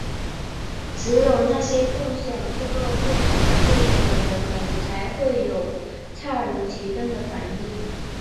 只有那些共享这个共同背景的人们才会有恰如其分的反应。